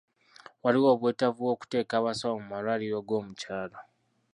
Waliwo obwetaavu bw'okuteeka abasawo mu malwaliro goomukyalo.